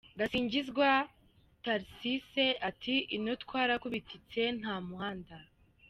Gasinzigwa Tharicisse ati “ino twarakubititse, nta muhanda.